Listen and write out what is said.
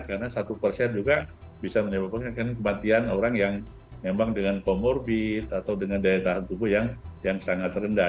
karena satu persen juga bisa menyebabkan kematian orang yang memang dengan komorbit atau dengan daya tahan tubuh yang sangat rendah